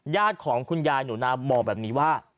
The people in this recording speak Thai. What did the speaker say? ญาติของคุณยายหนูนาบอกแบบนี้ว่า